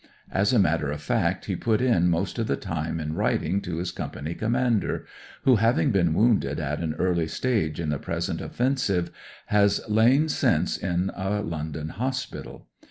As a matter of fact he put in most of the time in writing to his Company Commander, who, having been wounded at an early stage in the present offensive, has lain since in a London hospital.